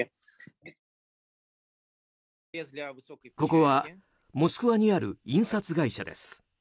ここはモスクワにある印刷会社です。